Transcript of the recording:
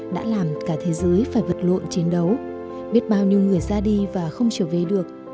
đã làm cả thế giới phải vật lộn chiến đấu biết bao nhiêu người ra đi và không trở về được